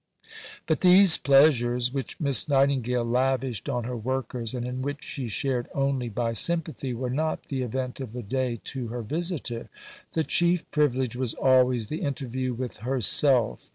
But these pleasures which Miss Nightingale lavished on her workers and in which she shared only by sympathy, were not the event of the day to her visitor. The chief privilege was always the interview with herself.